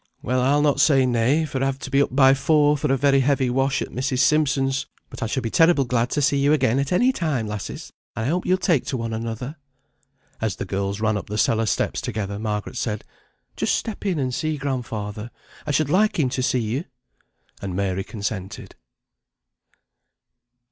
"Well, I'll not say nay, for I've to be up by four for a very heavy wash at Mrs. Simpson's; but I shall be terrible glad to see you again at any time, lasses; and I hope you'll take to one another." As the girls ran up the cellar steps together, Margaret said: "Just step in and see grandfather. I should like him to see you." And Mary consented.